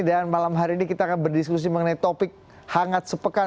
dan malam hari ini kita akan berdiskusi mengenai topik hangat sepekan